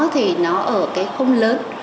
thì nó ở cái khung lớn